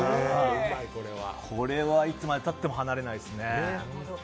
これはいつまでたっても離れないですね。